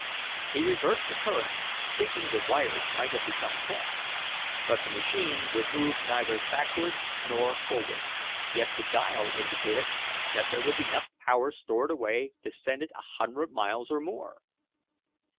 He reversed the current, thinking the wires might have become crossed, but the machine would move neither backward nor forward, yet the dial indicated that there was enough power stored away to send it a hundred miles or more.